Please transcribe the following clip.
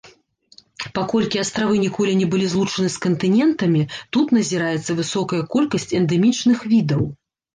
Паколькі астравы ніколі не былі злучаны з кантынентамі, тут назіраецца высокая колькасць эндэмічных відаў.